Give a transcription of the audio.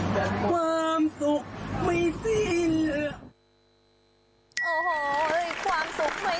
ความสุขไม่สิ้นมากินกันเลย